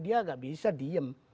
dia gak bisa diem